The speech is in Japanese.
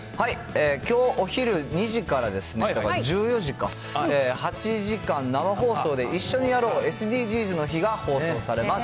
きょうお昼２時からですね、１４時か、８時間生放送で一緒にやろうＳＤＧｓの日が放送されます。